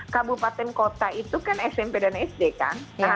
kabupaten kota itu kan smp dan sd kan